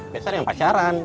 biasanya ada yang pacaran